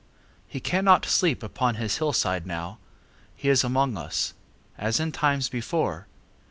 He cannot sleep upon his hillside now. He is among us:—as in times before!